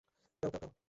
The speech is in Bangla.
প্যাও, প্যাও, প্যাও।